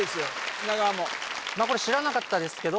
砂川も知らなかったですけど